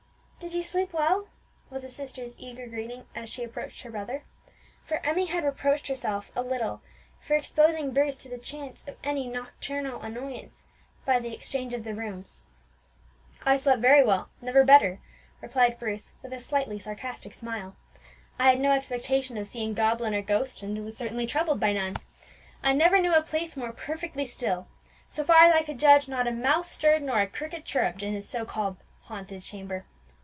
"Did you sleep well?" was the sister's eager greeting as she approached her brother; for Emmie had reproached herself a little for exposing Bruce to the chance of any nocturnal annoyance by the exchange of the rooms. "I slept very well, never better," replied Bruce with a slightly sarcastic smile. "I had no expectation of seeing goblin or ghost, and was certainly troubled by none. I never knew a place more perfectly still; so far as I could judge, not a mouse stirred or a cricket chirrupped in the so called haunted chamber.